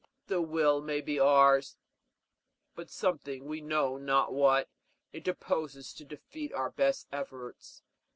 The will may be ours, but something, we know not what, interposes to defeat our best efforts.